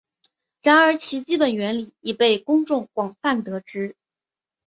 然而其基本原理已被公众广泛得知。